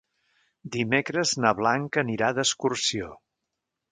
Dimecres na Blanca anirà d'excursió.